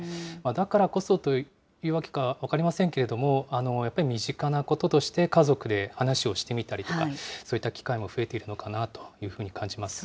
だからこそというわけか分かりませんけれども、やっぱり身近なこととして家族で話をしてみたりとか、そういった機会も増えているのかなというふうに感じます。